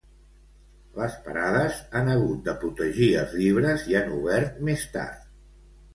Les parades han hagut de protegir els llibres i han obert més tard.